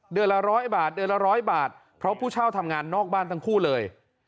เดือนละร้อยบาทเดือนละร้อยบาทเพราะผู้เช่าทำงานนอกบ้านทั้งคู่เลย